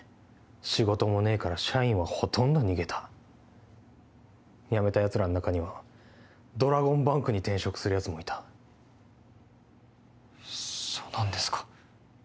仕事もねえから社員はほとんど逃げた辞めたやつらの中にはドラゴンバンクに転職するやつもいたそうなんですか？